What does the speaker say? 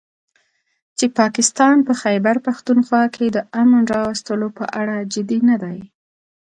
چې پاکستان په خيبرپښتونخوا کې د امن راوستلو په اړه جدي نه دی